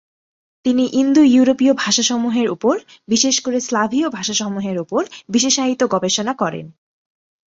তিনি ইন্দো-ইউরোপীয় ভাষাসমূহের উপর, বিশেষ করে স্লাভীয় ভাষাসমূহের উপর বিশেষায়িত গবেষণা করেন।